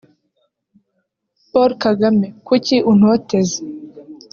Paul Kagame kuki untoteza